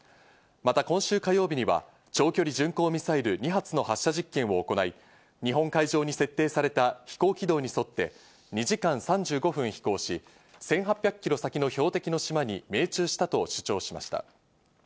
また今週火曜日には長距離巡航ミサイル２発の発射実験を行い、日本海上に設定された飛行軌道に沿って２時間３５分飛行し、１８００キロ先の標的の島に命中したと主張しました。